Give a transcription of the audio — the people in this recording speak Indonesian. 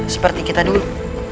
seperti kita dulu